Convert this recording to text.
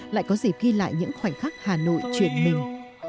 lại có dịp ghi lại những khoảnh khắc hà nội chuyển mình